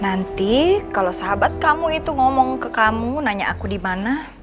nanti kalau sahabat kamu itu ngomong ke kamu nanya aku di mana